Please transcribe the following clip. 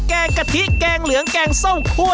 แกงกะทิแกงเหลืองแกงส้มคั่ว